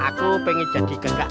aku pengen jadi gengak